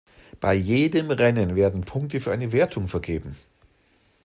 Bei jedem Rennen werden Punkte für eine Wertung vergeben.